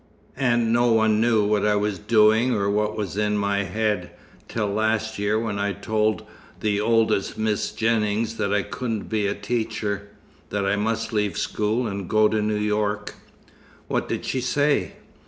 And no one knew what I was doing or what was in my head, till last year when I told the oldest Miss Jennings that I couldn't be a teacher that I must leave school and go to New York." "What did she say?"